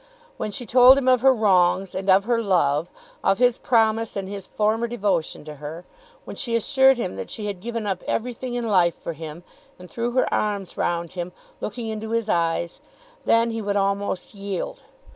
When she told him of her wrongs and of her love; of his promise and his former devotion to her; when she assured him that she had given up everything in life for him, and threw her arms round him, looking into his eyes; then he would almost yield.